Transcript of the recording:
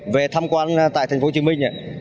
về thăm quan tại thành phố hồ chí minh